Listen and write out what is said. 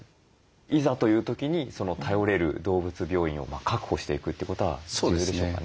いざという時に頼れる動物病院を確保していくということは重要でしょうかね。